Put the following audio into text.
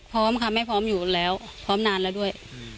พร้อมค่ะไม่พร้อมอยู่แล้วพร้อมนานแล้วด้วย